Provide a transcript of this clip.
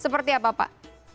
seperti apa pak